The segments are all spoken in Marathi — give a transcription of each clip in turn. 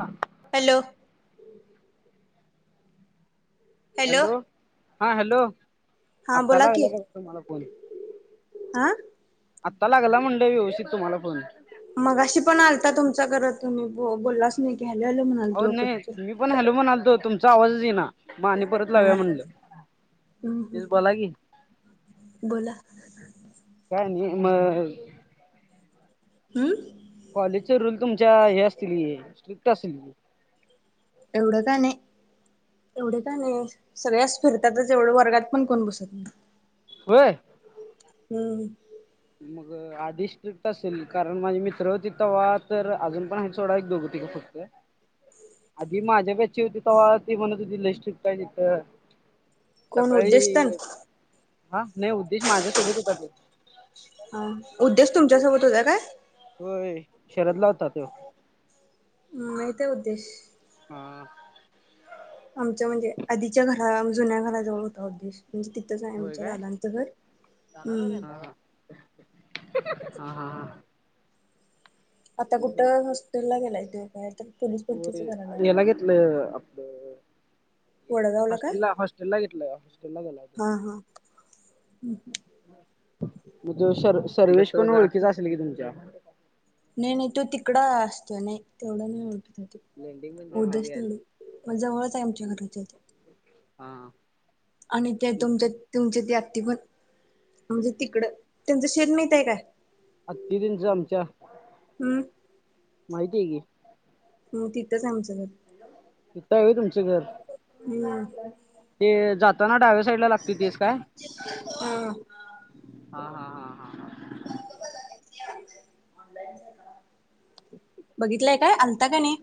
हां, हॅलो, हॅलो हा हॅलो, हा आत्ता बोला ना ला की हेला का तुम्हाला फोन, हा आत्ता लागला म्हणे व्यवस्थित तुम्हाला फोन! अहो मगाशी पण आलता तुमचा गर तुम्ही ब बोललाच नाही घ्याले आ म्हण, ओ नाही मी पण हॅलो म्हणालतो तुमचा आवाजच येईना. पाणी परत हा लाव्या म्हणलं हम्म तेच बोला की, बोला, काय आणि मग, हम्म. कॉलेजचे रूल तुमच्या हे असतील, स्ट्रिक्ट असतील एवढं काय नाय एवढं काय नाई सगळे असं फिरतातच एवढं वर्गात पण कोण बसत नाही. होय. हम्म. मग आधी स्ट्रिक्ट असेल कारण माझे मित्र होती, तवा तर अजून पण आहेत सोडा एक दोघ तिघं फक्त आधी माझ्या बॅचची होती तव्हा ती म्हणत होती लय स्ट्रिक्ट हाय तिथं कोण उद्देश सकाळी तेन हा नाही उद्देश माझ्यासोबत होता तो हा उद्देश तुमच्यासोबत होता काय? होय शहरातला होता तो, हम्म माहितेय उद्देश. हा. आमच्या म्हणजे आधीच्या घरा जुन्या घराजवळ होता अह उद्देश. म्हणजे तिथंच आहे होय आमच्या काय दादांचं घर हम्म. हा हा, हा, हा. आता कुठं हॉस्टेलला गेलाय त्यो काय तर. पोलीस हो रे भरतीचं करायला लागलाय. याला घेतलंय आपलं वडगावला काय हॉस्टेलला, हॉस्टेलला घेतलय, हॉस्टेलला गेलाय तो. हा हा मग तो सर सर्वेस पण ओळखीचा असेल की तुमच्या? नाही नाही तो तिकडं असतो नाही तेवढं नाही ओळखत लेंडिंग म्हणजे उद्देश खाली आले तेवढं मग जवळचं आहे आमच्या घराच्या इथं. हा. आणि ते तेच तुमच्या तुमचे ती आत्ती पण म्हणजे की. तिकड त्यांचं शेत माहीत आहे काय? आत्ति तेंचा आमच्या? हम्म. माहितीय की. हम्म तिथंच आमचं घर. तिथं हाय व्हय तुमचं घर? हम्म ते जाताना डाव्या साईडला लागते तेच काय हा हा, हा. हा [inaudible] बघितलंय काय? आलता की नाई?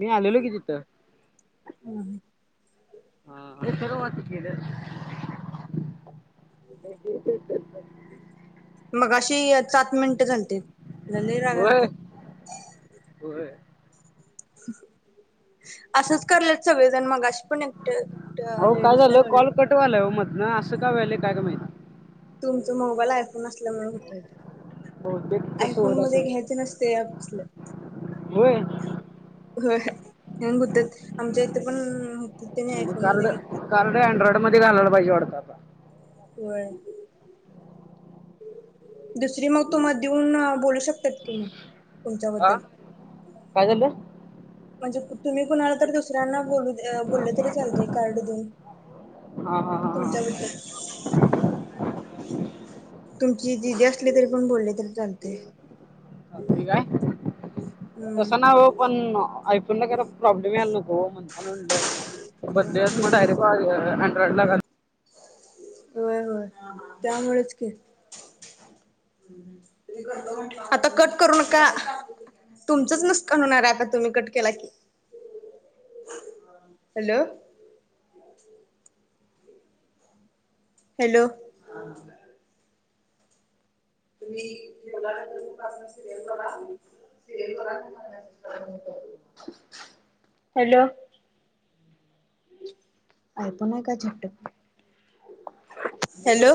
मी आलेलो की तिथं. हा हा ते सर्व वाचीत गेलय. [unintelligible] मगाशी सात मिनिटं झालते तिला लय राग होय. आलता. होय. आशेचं करलेत सगळेजण मगाशी पण एकट्या एकट्या लेडीजला [unintelligible] ओ मधनं असं का होयले काय का माहित. तुमचं मोबाईल आयफोन असल्यामुळे होतंय ते. बहुतेक तसं आयफोन होत मध्येे असेल घ्यायचे नसतय ॲप्स असल्या. होय होय हँग हुत्यात आमच्या इथे पण त्याने मग आयफोन कार्ड मध्ये घेतली. कार्ड अँड्राईड मध्ये घालायला पाहिजे वाटतं आता. होय. दुसरी मग तुमा देऊन अह बोलू शकतात कि मग. हा तुमच्याबद्दल. काय झालं म्हणजे तुम्ही कुणाला तर दुसऱ्यांना बोलू बोललं तरी चालतय कार्ड देऊन हा हा हा हा तुमच्याबद्दल. तुमची दिदी तस- असली तरी पण बोलले तरी चालतय. रात्री काय हम्म तसं नाय हो पण ऐकुन न घेता प्रॉब्लेम यायला नको. हो म्हणताना म्हणलं बदलुयाच मग हम्म अँड्रॉइडला घालं होय होय त्यामुळेच की. आता कट करू नका. तुमचंच नुसकान होणार आहे आता तुम्ही कट केला की. [inaudible] हॅलो. हॅलो! तुम्ही [unintelligible] पासून सिरीयल बघा. हॅलो! आयफोन हाय काय झट्टक. हॅलो!